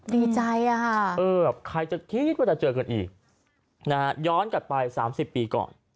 ดีใจอ่ะเออใครจะคิดว่าจะเจอกันอีกนะฮะย้อนกลับไปสามสิบปีก่อน